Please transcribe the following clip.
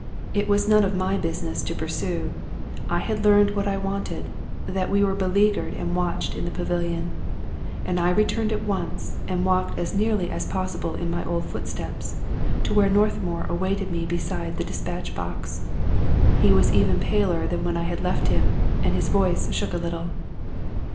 It was none of my business to pursue ; I had learned what I wanted — ^that we were beleaguered and watched in the pavilion ; and I returned at once, and walked as nearly as possible in my old footsteps, to where Northmour awaited me beside the dispatch box. He was even paler than when I had left him, and his voice shook a little.